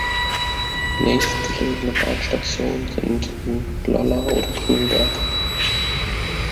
Nächstgelegene Bahnstationen sind in Lollar oder Grünberg.